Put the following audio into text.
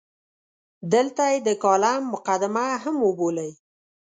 دلته یې د کالم مقدمه هم وبولئ.